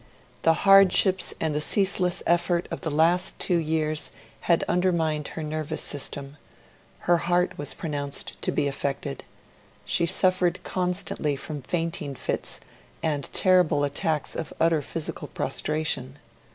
The hardships and the ceaseless effort of the last two years had undermined her nervous system; her heart was pronounced to be affected; she suffered constantly from fainting fits and terrible attacks of utter physical prostration.